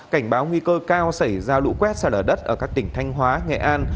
cảnh báo nguy cơ cao xảy ra lũ quét xa lở đất ở các tỉnh thanh hóa nghệ an